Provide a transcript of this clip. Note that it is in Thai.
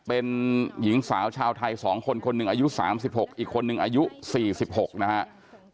เป็นหญิงสาวชาวไทย๒คนคนหนึ่งอายุ๓๖อีกคนนึงอายุ๔๖นะครับ